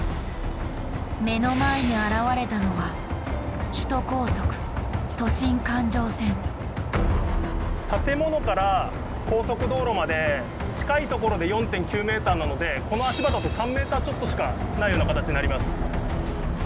目の前に現れたのは建物から高速道路まで近い所で４．９メーターなのでこの足場だと３メーターちょっとしかないような形になります。